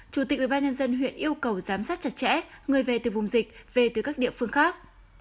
chủ tịch ubnd huyện yêu cầu giám sát chặt chẽ người về từ vùng dịch về từ các địa phương khác